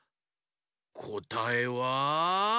こたえは。